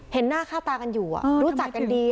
หน้าค่าตากันอยู่รู้จักกันดี